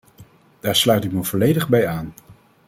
Daar sluit ik me volledig bij aan.